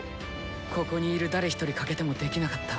ここにいる誰ひとり欠けてもできなかった。